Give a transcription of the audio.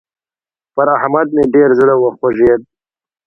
پر احمد مې ډېر زړه وخوږېد.